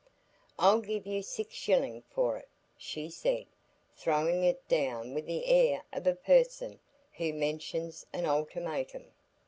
"I'll give you six shilling for it," she said, throwing it down with the air of a person who mentions an ultimatum.